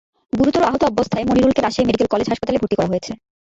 গুরুতর আহত অবস্থায় মনিরুলকে রাজশাহী মেডিকেল কলেজ হাসপাতালে ভর্তি করা হয়েছে।